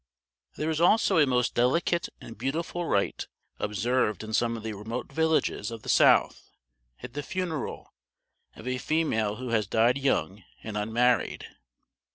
There is also a most delicate and beautiful rite observed in some of the remote villages of the south at the funeral of a female who has died young and unmarried.